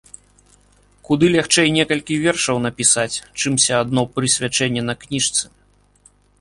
Куды лягчэй некалькі вершаў напісаць, чымся адно прысвячэнне на кніжцы.